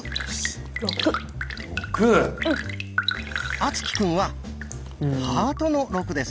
敦貴くんは「ハートの６」です。